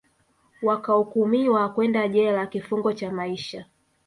wakahukumiwa kwenda jela kifungo cha maisha